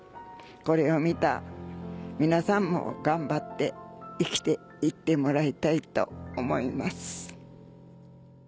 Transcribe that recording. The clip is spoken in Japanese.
これを見た皆さんも頑張って生きて行ってもらいたいと思います。